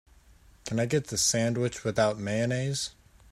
Can I get the sandwich without mayonnaise?